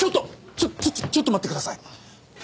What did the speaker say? ちょちょちょっと待ってください。